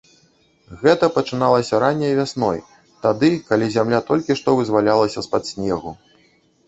Гэта пачыналася ранняй вясной, тады, калі зямля толькі што вызвалялася з-пад снегу.